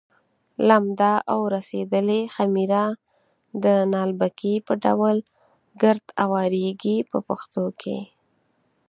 لمده او رسېدلې خمېره د نالبکي په ډول ګرد اوارېږي په پښتو کې.